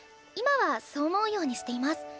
今はそう思うようにしています。